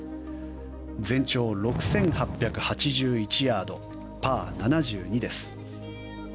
全長６８８１ヤードパー７２です。